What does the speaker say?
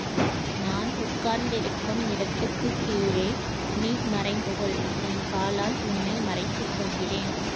நான் உட்கார்ந்திருக்கும் இடத்துக்குக் கீழே நீ மறைந்து கொள் என் காலால் உன்னை மறைத்துக் கொள்கிறேன்.